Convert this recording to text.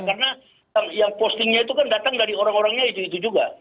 karena yang postingnya itu kan datang dari orang orangnya itu itu juga